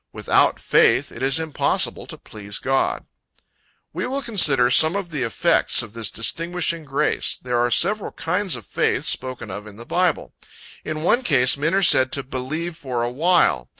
"Without faith it is impossible to please God." We will consider some of the effects of this distinguishing grace. There are several kinds of faith spoken of in the Bible. In one case, men are said to "believe for a while."